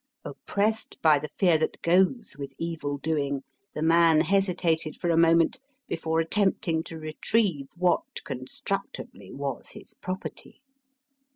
Oppressed by the fear that goes with evil doing, the man hesitated for a moment before attempting to retrieve what constructively was his property.